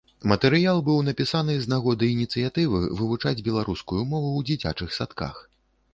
Матэрыял быў напісаны з нагоды ініцыятывы вывучаць беларускую мову ў дзіцячых садках.